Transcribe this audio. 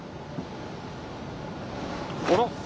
あら？